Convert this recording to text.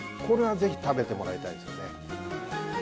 これはぜひ食べてもらいたいですよね。